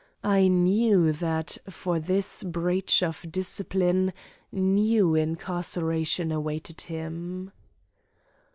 I knew that for this breach of discipline new incarceration awaited him.